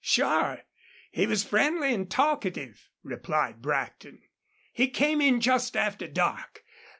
"Sure. He was friendly an' talkative," replied Brackton. "He came in just after dark.